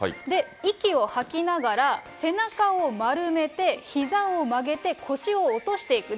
息を吐きながら、背中を丸めて、ひざを曲げて腰を落としていく。